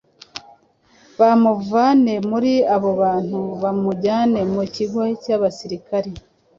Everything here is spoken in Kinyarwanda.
bamuvane muri abo bantu bamujyane mu kigo cy’abasirikari.”